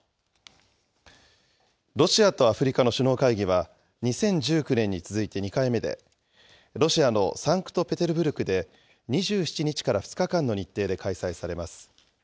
ロシアとアフリカの首脳会議は、２０１９年に続いて２回目で、ロシアのサンクトペテルブルクで、２７日から２日間の日程で開催されます。